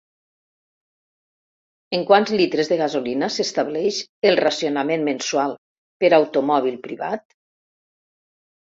En quants litres de gasolina s'estableix el racionament mensual per automòbil privat?